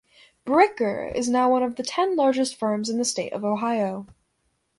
"Bricker" is now one of the ten largest firms in the state of Ohio.